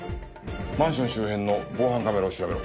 マンション周辺の防犯カメラを調べろ。